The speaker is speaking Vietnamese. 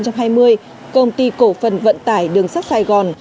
công ty cổ phần vận tải đường sắt sài gòn